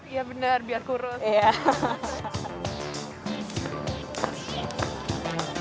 iya benar biar kurus